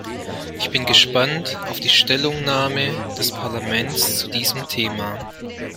Ich bin gespannt auf die Stellungnahmen des Parlaments zu diesem Thema.